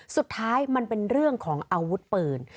สุดท้ายมันเป็นเรื่องของอาวุธปืน